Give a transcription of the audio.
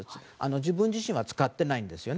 自分自身は使っていないんですね。